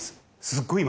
すっごい